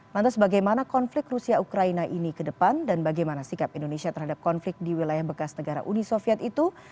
lantas bagaimana konflik rusia ukraina ini ke depan dan bagaimana sikap indonesia terhadap konflik di wilayah bekas negara uni soviet itu